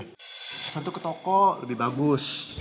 pesan tuh ke toko lebih bagus